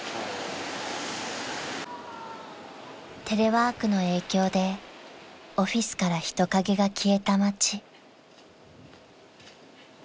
［テレワークの影響でオフィスから人影が消えた街］